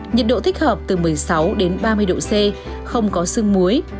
nhiệt độ thích hợp từ một mươi sáu đến ba mươi độ c không có sương muối